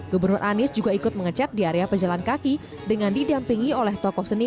gubernur anies juga ikut mengecek di area pejalan kaki dengan didampingi oleh tokoh seni